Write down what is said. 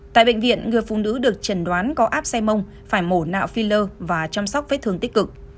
tại bệnh viện người phụ nữ được trần đoán có áp xe mông phải mổ nạo filler và chăm sóc với thường tích cực